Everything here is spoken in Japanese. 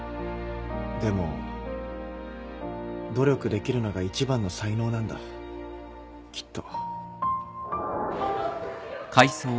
でも努力できるのが一番の才能なんだきっと。